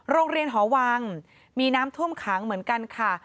โรงเรียนหอวังมีน้ำท่วมขังเหมือนกันค่ะ